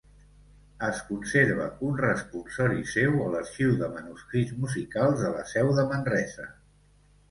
Es conserva un responsori seu a l'Arxiu de Manuscrits Musicals de la Seu de Manresa.